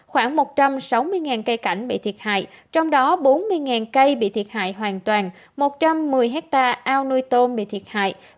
khoảng một trăm sáu mươi cây cảnh bị thiệt hại trong đó bốn mươi cây bị thiệt hại hoàn toàn một trăm một mươi hectare ao nuôi tôm bị thiệt hại